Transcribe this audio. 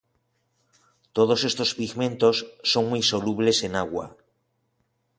Todos estos pigmentos son muy solubles en agua.